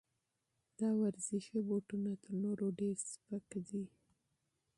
دا ورزشي بوټونه تر نورو ډېر سپک دي.